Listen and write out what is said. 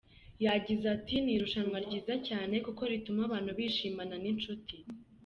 Yagize ati “Ni irushanwa ryiza cyane kuko rituma abantu bishimana n’inshuti.